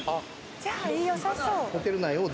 じゃあよさそう。